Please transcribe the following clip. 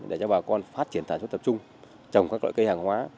để cho bà con phát triển sản xuất tập trung trồng các loại cây hàng hóa